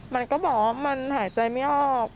มันก็บอกว่ามันหายใจไม่ออก